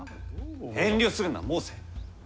遠慮するな、申せ。